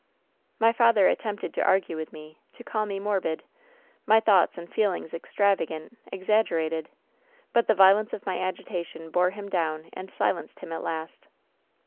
"My father attempted to argue with me, to call me morbid, my thoughts and feelings extravagant, exagger ated; but the violence of my agitation bore him down and silenced him at last.